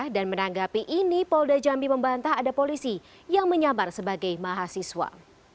dan menanggapi ini polda jambi membantah ada polisi yang menyamar sebagai mahasiswa